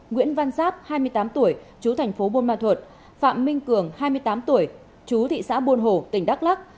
nguyễn văn giáp hai mươi tám tuổi chú thành phố buôn ma thuật phạm minh cường hai mươi tám tuổi chú thị xã buôn hồ tỉnh đắk lắc